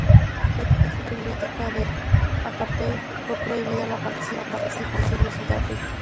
Debido a su política del apartheid, fue prohibida la participación de Sudáfrica.